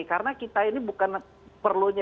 karena kita ini bukan perlunya